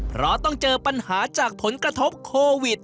เพราะต้องเจอปัญหาจากผลกระทบโควิด